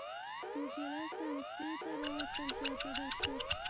نجلۍ سمڅې ته راوستل شوه او تړل شوه.